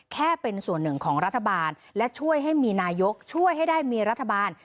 แค่เป็นส่วนหนึ่งของรัฐบาลและช่วยให้มีนายกช่วยให้ได้มีรัฐบาล